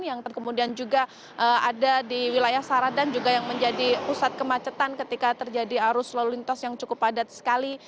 yang kemudian juga ada di wilayah saradan juga yang menjadi pusat kemacetan ketika terjadi arus lalu lintas yang cukup padat sekali